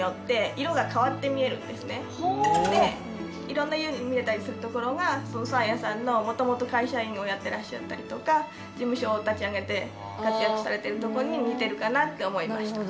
いろんな色に見えたりするところがサーヤさんのもともと会社員をやってらっしゃったりとか事務所を立ち上げて活躍されてるとこに似てるかなって思いました。